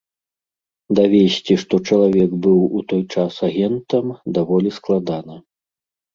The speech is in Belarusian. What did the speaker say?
Давесці, што чалавек быў у той час агентам, даволі складана.